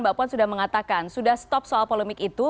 mbak puan sudah mengatakan sudah stop soal polemik itu